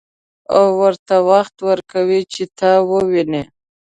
او ورته وخت ورکوي چې تا وويني.